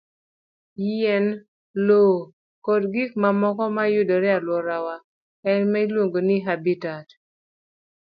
Yien, lowo, kod gik mamoko ma yudore e alworawa e ma iluongo ni habitat.